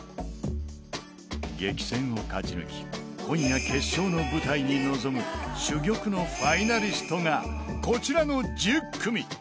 激戦を勝ち抜き、今夜決勝の舞台に臨む珠玉のファイナリストがこちらの１０組。